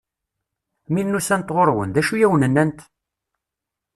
Mi n-usant ɣur-wen, d acu i awen-nnant?